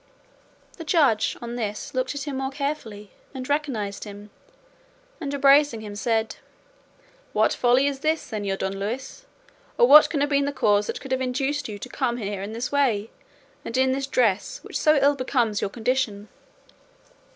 The judge on this looked at him more carefully and recognised him, and embracing him said, "What folly is this, Señor Don Luis, or what can have been the cause that could have induced you to come here in this way, and in this dress, which so ill becomes your condition?"